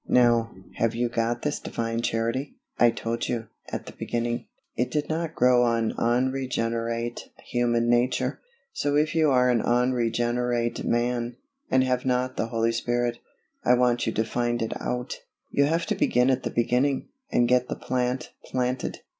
Now, have you got this Divine Charity? I told you, at the beginning, it did not grow on unregenerate human nature, so if you are an unregenerate man, and have not the Holy Spirit, I want you to find it out. You have to begin at the beginning, and get the plant planted.